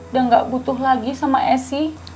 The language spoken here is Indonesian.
dan nggak butuh lagi sama esi